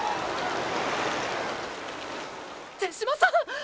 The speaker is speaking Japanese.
手嶋さん！！